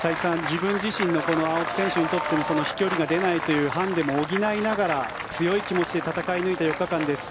自分自身の青木選手にとっての飛距離が出ないというハンディも補いながら強い気持ちで戦い抜いた４日間です。